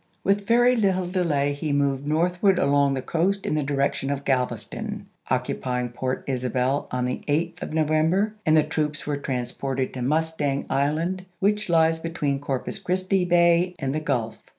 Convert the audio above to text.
With very little delay he moved northward along the coast in the direction of Galveston, occupying Point Isabel on the 8th of November and the troops were transported to Mustang Island which lies between Corpus Christi Bay and the Gulf.